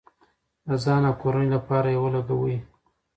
د ځان او کورنۍ لپاره یې ولګوئ.